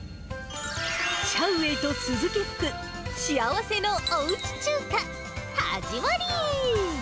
シャウ・ウェイと鈴木福、幸せのおうち中華、始まり。